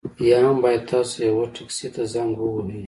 یا هم باید تاسو یوه ټکسي ته زنګ ووهئ